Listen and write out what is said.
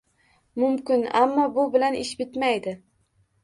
— Mumkin, ammo bu bilan ish bitmaydi.